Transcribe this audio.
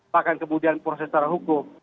bahkan kemudian proses secara hukum